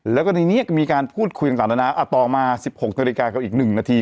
แล้วก็ในนี้มีการพูดคุยต่างนานาต่อมา๑๖นาฬิกากับอีก๑นาที